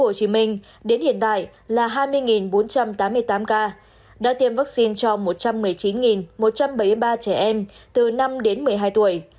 tổng số ca tử vong trên địa bàn tp hcm đến hiện tại là hai mươi bốn trăm tám mươi tám ca đã tiêm vaccine cho một trăm một mươi chín một trăm bảy mươi ba trẻ em từ năm đến một mươi hai tuổi